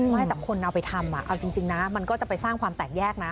ไม่แต่คนเอาไปทำเอาจริงนะมันก็จะไปสร้างความแตกแยกนะ